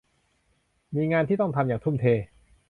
มีงานที่ต้องทำอย่างทุ่มเท